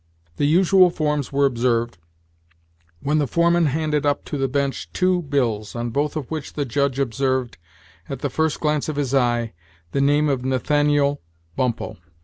The usual forms were observed, when the foreman handed up to the bench two bills, on both of which the Judge observed, at the first glance of his eye, the name of Nathaniel Bumppo.